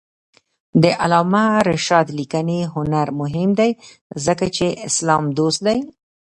د علامه رشاد لیکنی هنر مهم دی ځکه چې اسلام دوست دی.